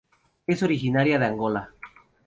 Es originaria de Angola.